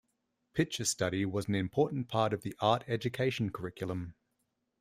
Picture study was an important part of the art education curriculum.